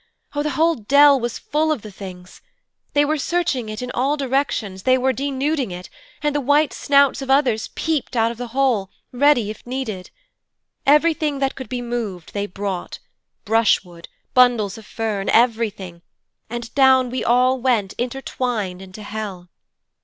Oh, the whole dell was full of the things. They were searching it in all directions, they were denuding it, and the white snouts of others peeped out of the hole, ready if needed. Everything that could be moved they brought brushwood, bundles of fern, everything, and down we all went intertwined into hell.